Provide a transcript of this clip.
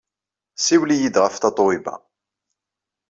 Ssiwel-iyi-d ɣef Tatoeba.